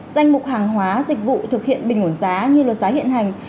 danh mục hàng hóa dịch vụ thực hiện bình ổn giá như luật giá hiện hành